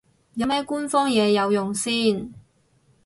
有咩官方嘢有用先